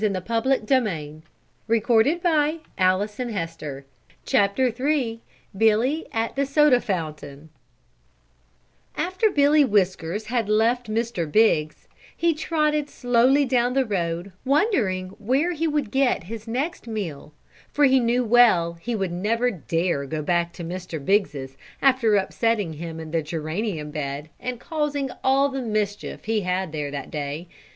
The Biggses never even looked for him. Billy at the Soda Fountain After Billy Whiskers had left Mr. Biggs, he trotted slowly down the road wondering where he would get his next meal for he well knew he would never dare go back to Mr. Biggses after upsetting him in the geranium bed and causing all the mischief he had there that day.